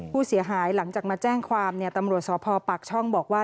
ผู้เสียหายหลังจากมาแจ้งความตำรวจสพปากช่องบอกว่า